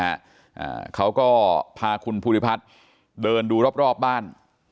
อ่าเขาก็พาคุณภูริพัฒน์เดินดูรอบรอบบ้าน